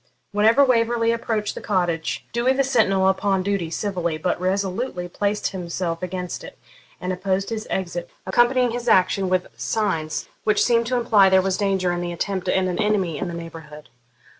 Whenever Waverley approached the cottage door the sentinel upon duty civilly, but resolutely, placed himself against it and opposed his exit, accompanying his action with signs which seemed to imply there was danger in the attempt and an enemy in the neighbourhood.